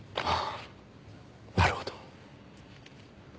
ああなるほど。